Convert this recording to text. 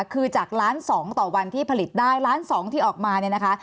คือจากล้านสองต่อวันที่ผลิตได้ล้านสองที่ออกมาเนี่ยนะคะ